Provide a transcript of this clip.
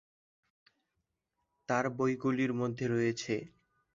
তাঁর বইগুলির মধ্যে রয়েছেঃ